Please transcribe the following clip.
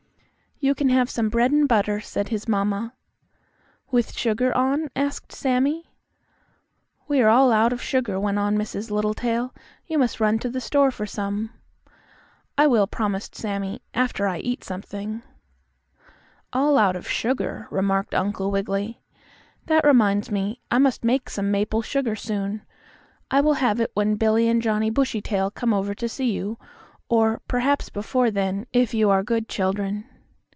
"You can have some bread and butter," said his mamma. "With sugar on?" asked Sammie. "We are all out of sugar," went on Mrs. Littletail. "You must run to the store for some." "I will," promised Sammie, "after I eat something." "All out of sugar," remarked Uncle Wiggily. "That reminds me, I must make some maple sugar soon. I will have it when Billie and Johnnie Bushytail come over to see you; or, perhaps before then, if you are good children."